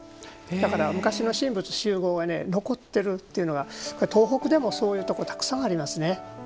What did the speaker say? だから昔の神仏習合が残っているというのが東北でもそういうところがたくさんありますね。